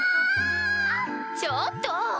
ちょっとぉ！